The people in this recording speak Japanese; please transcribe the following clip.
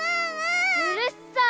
うるさい！